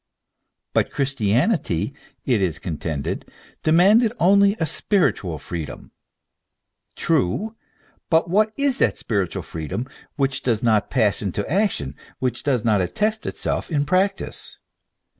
But Christianity, it is contended, demanded only a spiritual freedom. True ; but what is that spiritual freedom which does not pass into action, which does not attest itself in practice?